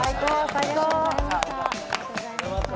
最高！